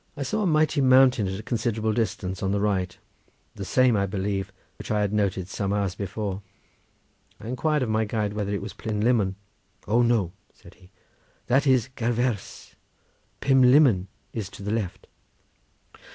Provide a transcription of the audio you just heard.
I saw a mighty mountain at a considerable distance on the right, the same I believe which I had noted some hours before. I inquired of my guide whether it was Plynlimmon. "O no!" said he, "that is Gaverse; Pumlimmon is to the left."